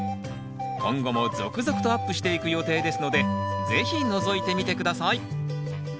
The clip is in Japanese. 今後も続々とアップしていく予定ですので是非のぞいてみて下さい！